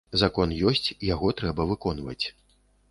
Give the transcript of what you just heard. Закон ёсць, яго трэба выконваць.